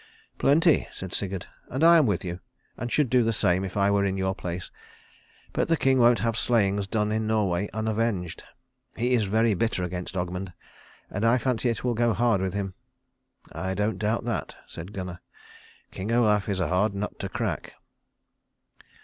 "Plenty," said Sigurd, "and I am with you, and should do the same if I were in your place. But the king won't have slayings done in Norway unavenged. He is very bitter against Ogmund, and I fancy it will go hard with him." "I don't doubt that," said Gunnar. "King Olaf is a hard nut to crack."